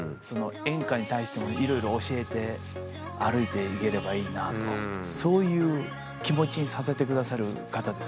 演歌に対してもいろいろ教えて歩いていければいいなとそういう気持ちにさせてくださる方ですね。